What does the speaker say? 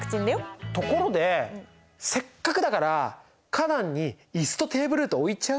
ところでせっかくだから花壇にイスとテーブルート置いちゃう？